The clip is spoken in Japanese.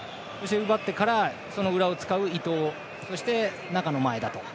奪ってから、その裏を使う伊東そして、中の前田と。